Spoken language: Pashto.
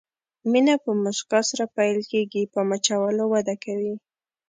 مینه په مسکا سره پیل کېږي، په مچولو وده کوي.